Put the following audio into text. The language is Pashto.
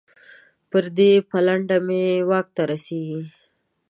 پر دې پلنډه مې واک نه رسېږي.